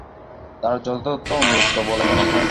তাঁরা যথার্থ অনুরক্ত বলে মনে হয়।